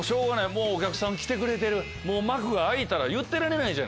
もうお客さん来てくれてる幕が開いたら言ってられない。